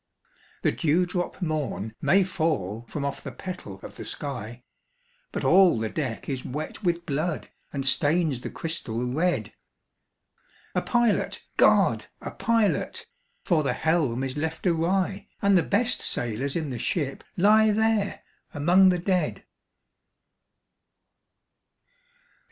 "The dewdrop morn may fall from off the petal of the sky, But all the deck is wet with blood and stains the crystal red. A pilot, GOD, a pilot! for the helm is left awry, And the best sailors in the ship lie there among the dead!"